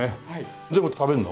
全部食べれるの？